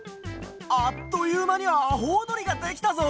あっというまにアホウドリができたぞ！